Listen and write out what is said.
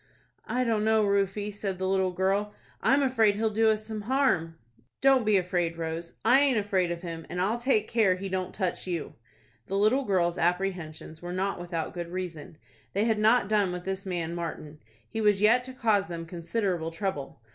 "I don't know, Rufie," said the little girl; "I'm afraid he'll do us some harm." "Don't be afraid, Rose; I aint afraid of him, and I'll take care he don't touch you." The little girl's apprehensions were not without good reason. They had not done with this man Martin. He was yet to cause them considerable trouble.